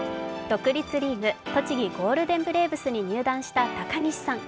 独立リーグ栃木ゴールデンブレーブスに入団した高岸さん。